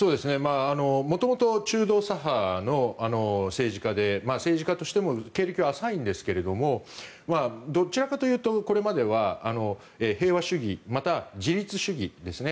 元々、中道左派の政治家で政治家としても経歴は浅いんですけどもどちらかというと、これまでは平和主義または自立主義ですね。